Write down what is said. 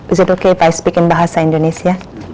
is it okay if i speak in bahasa indonesia